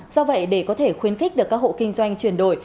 do vậy để có thể khuyến khích được các hộ kinh doanh chuyển đổi